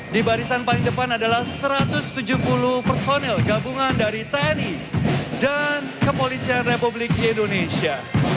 di barisan paling depan adalah satu ratus tujuh puluh personil gabungan dari tni dan kepolisian republik indonesia